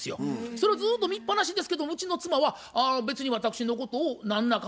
それをずっと見っぱなしですけどうちの妻は別に私のことを何だかんだ言いませんね。